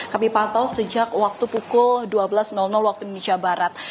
kami pantau sejak waktu pukul dua belas waktu indonesia barat